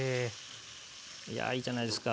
いいじゃないですか。